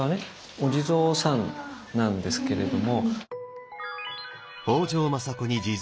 お地蔵さんなんですけれども。